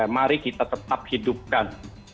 mari kita tetap hidupkan